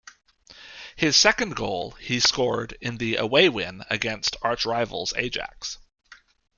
His second goal he scored in the away win against arch rivals Ajax.